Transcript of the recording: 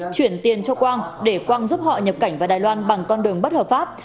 chuyển tiền cho quang để quang giúp họ nhập cảnh vào đài loan bằng con đường bất hợp pháp